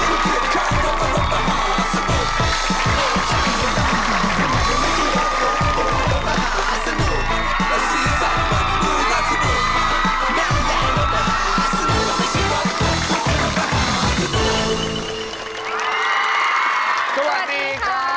เราอย่าใช่ม่าสนุก